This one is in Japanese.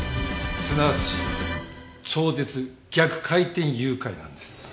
すなわち超絶逆回転誘拐なんです。